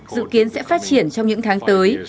dự kiến sẽ phát triển trong những tháng tới